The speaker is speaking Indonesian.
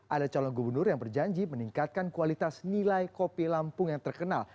ada calon gubernur yang berjanji meningkatkan kualitas nilai kopi lampung yang terkenal